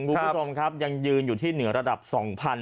คุณผู้ชมครับยังยืนอยู่ที่เหนือระดับ๒๐๐๐